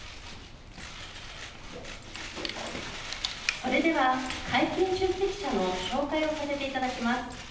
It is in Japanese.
それでは会見出席者の紹介をさせていただきます。